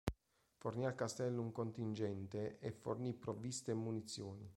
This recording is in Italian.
Fornì al castello un contingente e fornì provviste e munizioni.